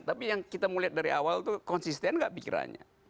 tapi yang kita mau lihat dari awal itu konsisten gak pikirannya